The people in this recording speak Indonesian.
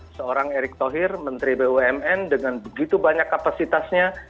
seorang erick thohir menteri bumn dengan begitu banyak kapasitasnya